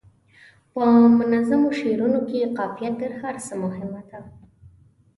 په منظومو شعرونو کې قافیه تر هر څه مهمه ده.